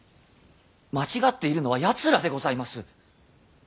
間違っているのはやつらでございます。